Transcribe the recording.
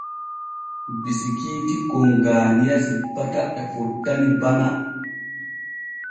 Bisikiiti kon Gaaniya simpata e fottani Bana.